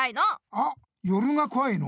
あっ夜がこわいの？